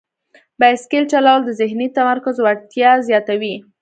بایسکل چلول د ذهني تمرکز وړتیا زیاتوي.